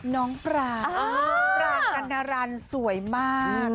น้องปรางปรางกัณรันสวยมาก